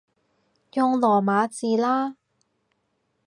用羅馬字啦